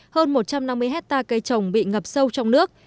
hơn một trăm năm mươi hectare cây trồng bị ngập sâu trong nước